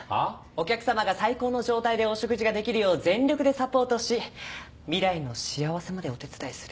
お客様が最高の状態でお食事ができるよう全力でサポートし未来の幸せまでお手伝いする。